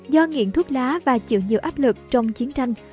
do nghiện thuốc lá và chịu nhiều áp lực trong chiến tranh